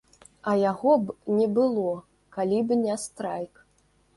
А яго б не было, калі б не страйк.